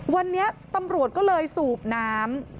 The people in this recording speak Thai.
วันนี้ตำรวจก็เลยสูบน้ำ